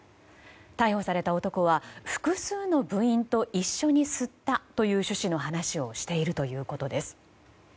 逮捕された男は複数の部員と一緒に吸ったという趣旨の話をしているということです。